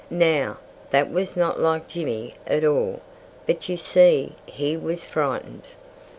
Now, that was not like Jimmy at all. But you see, he was frightened.